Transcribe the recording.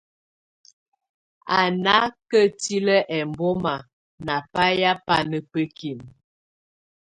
Á nà ketilǝ́ ɛmbɔma nà bayɛ̀á banà bǝ́kimǝ.